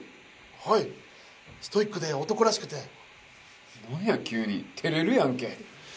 はいストイックで男らしくてなんや急にてれるやんけ